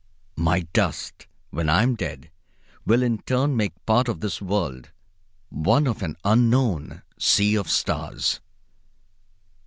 My dust, when I am dead, will in turn make part of this world, one of an unknown sea of stars.